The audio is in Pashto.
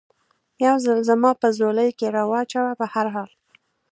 یو ځل زما په ځولۍ کې را و چوه، په هر حال.